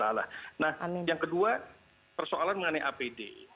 nah yang kedua persoalan mengenai apd